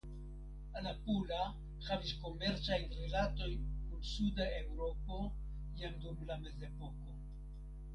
Alapula havis komercajn rilatojn kun suda Eŭropo jam dum la mezepoko.